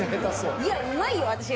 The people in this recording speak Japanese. いやうまいよ私。